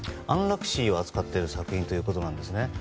安楽死を扱っている作品ということですね。